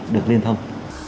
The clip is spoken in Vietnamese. được liên thông